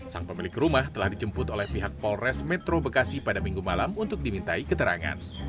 sang pemilik rumah telah dijemput oleh pihak polres metro bekasi pada minggu malam untuk dimintai keterangan